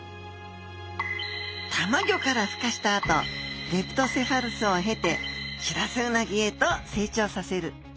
たまギョからふ化したあとレプトセファルスを経てシラスウナギへと成長させる。